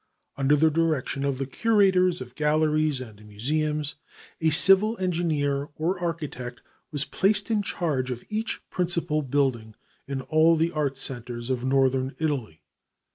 Under the direction of the curators of galleries and museums, a civil engineer or architect was placed in charge of each principal building in all the art centers of northern Italy.